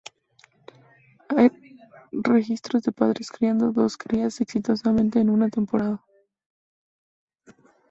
Hay registros de padres criando dos crías exitosamente en una temporada.